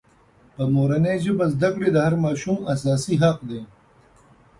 په مورنۍ ژبه زدکړې د هر ماشوم اساسي حق دی.